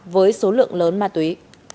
với số lượng lớn ma túy